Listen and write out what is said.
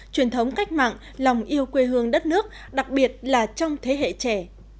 truyền thống cách mạng lòng yêu quê hương đất nước đặc biệt là trong thế hệ trẻ